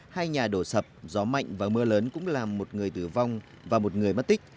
hai nhà đổ sập gió mạnh và mưa lớn cũng làm một người tử vong và một người mất tích